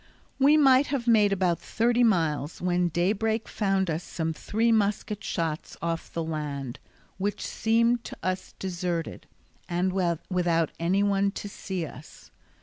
We might have made about thirty miles when daybreak found us some three musket shots off the land, which seemed to us deserted, and without anyone to see us.